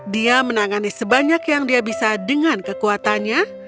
dia menangani sebanyak yang dia bisa dengan kekuatannya